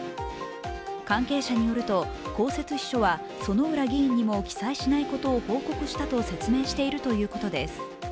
関係者によると公設秘書は薗浦議員にも記載しないことを報告したと説明しているということです。